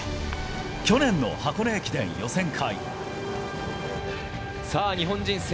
去年の箱根駅伝予選会。